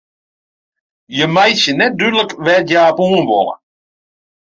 Hja meitsje net dúdlik wêr't hja op oan wolle.